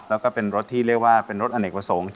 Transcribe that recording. แล้วก็เป็นรถอเนกบะสง